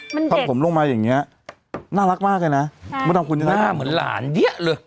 มันเด็กทำผมลงมาอย่างเงี้ยน่ารักมากเลยนะใช่หน้าเหมือนหลานเดี้ยเลย